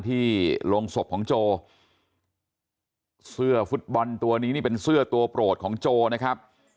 โรงศพของโจเสื้อฟุตบอลตัวนี้นี่เป็นเสื้อตัวโปรดของโจนะครับ